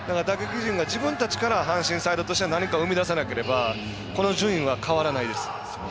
自分たちから阪神サイドとしては何かを生み出さなければこの順位は変わらないです。